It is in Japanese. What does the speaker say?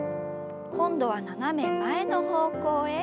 今度は斜め前の方向へ。